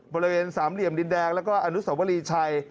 บริเวณสามเหลี่ยมดินแดงแล้วก็อนุสวรีชัย